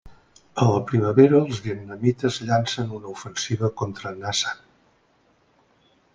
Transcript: A la primavera els vietnamites llancen una ofensiva contra Na San.